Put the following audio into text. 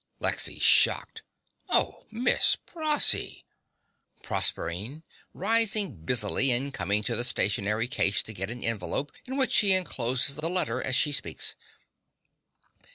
LEXY (shocked). Oh, Miss Prossy! PROSERPINE (rising busily and coming to the stationery case to get an envelope, in which she encloses the letter as she speaks).